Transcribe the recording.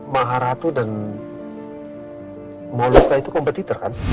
maharatu dan moluka itu kompetitor kan